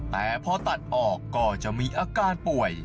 แต่พอตัดออกก็จะมีอาการป่วย